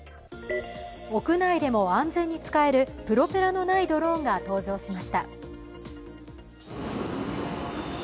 屋内でも安全に使えるプロペラのないドローンが登場しました。